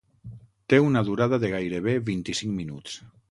Té una durada de gairebé vint-i-cinc minuts.